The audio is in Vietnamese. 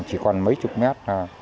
chỉ còn mấy chục mét